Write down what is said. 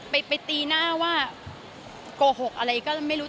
ไปตีหน้าว่าโกหกอะไรก็ไม่รู้